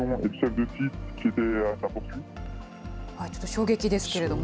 衝撃ですけれども。